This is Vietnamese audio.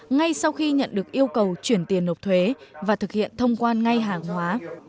ngay sau khi nhận được yêu cầu chuyển tiền nộp thuế và thực hiện thông quan ngay hàng hóa